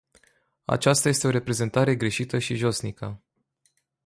Aceasta este o reprezentare greșită și josnică.